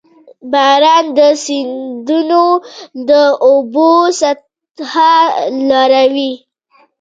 • باران د سیندونو د اوبو سطحه لوړوي.